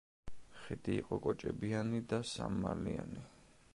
ხიდი იყო კოჭებიანი და სამმალიანი.